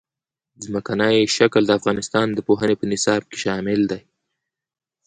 ځمکنی شکل د افغانستان د پوهنې په نصاب کې شامل دي.